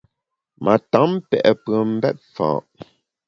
Ma tam pe’ pùem mbèt fa’.